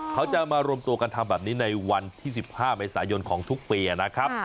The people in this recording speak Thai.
เขาจะมารวมตัวกันทำแบบนี้ในวันที่๑๕เมษายนของทุกปีนะครับ